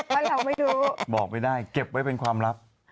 เพราะเราไม่รู้บอกไม่ได้เก็บไว้เป็นความลับ